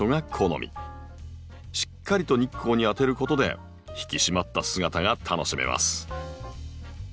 しっかりと日光に当てることで引き締まった姿が楽しめます。